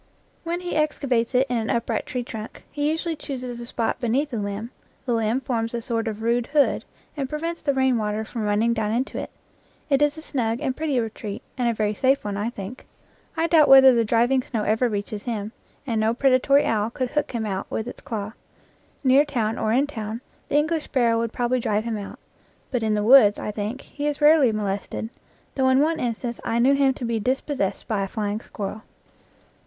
When he excavates it in an upright tree trunk, he usually chooses a spot beneath a limb ; the limb forms a sort of rude hood, and prevents the rain water from running down into it. It is a snug and pretty retreat, and a very safe one, I think. I doubt whether IN FIELD AND WOOD the driving snow ever reaches him, and no preda tory owl could hook him out with its claw. Near town or in town the English sparrow would probably drive him out; but in the woods, I think, he is rarely molested, though in one instance I knew him to be dispossessed by a flying squirrel.